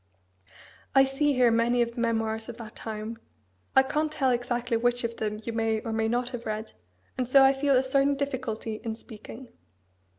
I see here many of the memoirs of that time. I can't tell exactly which of them you may or may not have read, and so I feel a certain difficulty in speaking."